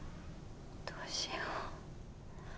どうしよう。